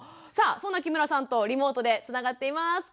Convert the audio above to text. さあそんな木村さんとリモートでつながっています。